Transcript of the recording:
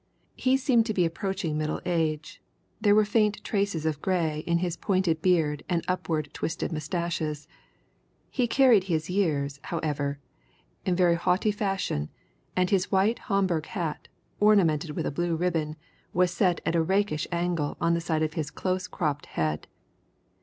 He seemed to be approaching middle age; there were faint traces of grey in his pointed beard and upward twisted moustaches; he carried his years, however, in very jaunty fashion, and his white Homburg hat, ornamented with a blue ribbon, was set at a rakish angle on the side of his close cropped head.